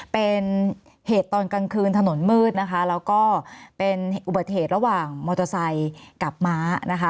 เป็นเหตุตอนกลางคืนถนนมืดนะคะแล้วก็เป็นอุบัติเหตุระหว่างมอเตอร์ไซค์กับม้านะคะ